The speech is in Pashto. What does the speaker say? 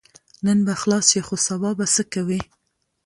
نن به خلاص شې خو سبا به څه کوې؟